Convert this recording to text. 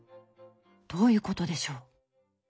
どういうことでしょう？